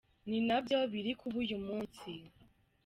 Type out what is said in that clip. Ni nabyo biri kuba uyu munsi.